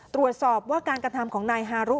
ตรวจสอบว่าการกระทำของนายฮารุ